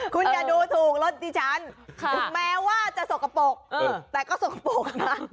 คุณอย่าดูถูกรถดิฉันถึงแม้ว่าจะสกปรกแต่ก็สกปรกนะ